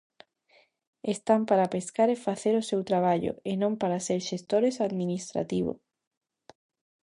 Están para pescar e facer o seu traballo, e non para ser xestores administrativo.